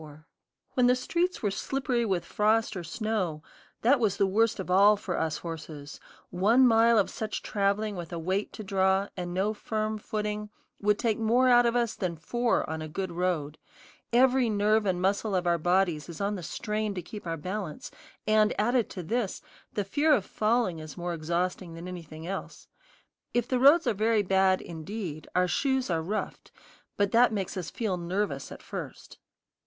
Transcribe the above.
When the streets were slippery with frost or snow, that was the worst of all for us horses; one mile of such traveling with a weight to draw, and no firm footing, would take more out of us than four on a good road; every nerve and muscle of our bodies is on the strain to keep our balance; and, added to this, the fear of falling is more exhausting than anything else. If the roads are very bad, indeed, our shoes are roughed, but that makes us feel nervous at first.